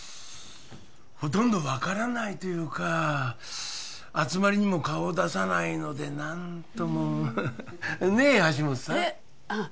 ほとんど分からないというか集まりにも顔を出さないので何ともねえ橋本さんえっ？